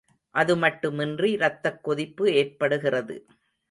அது மட்டுமின்றி இரத்தக் கொதிப்பு ஏற்படுகிறது.